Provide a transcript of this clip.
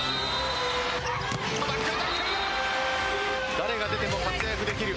誰が出ても活躍できる。